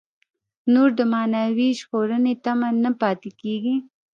نور د معنوي ژغورنې تمه نه پاتې کېږي.